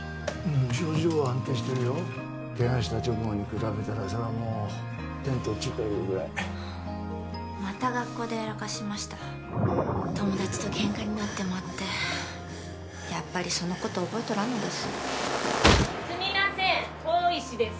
症状は安定してるよケガした直後に比べたらそれはもう天と地というぐらいまた学校でやらかしました友達とケンカになってまってやっぱりそのこと覚えとらんのですすみません大石です